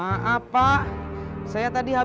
aku harus mbak gitu